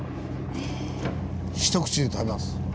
一口で食べます？